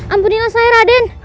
ampunilah saya raden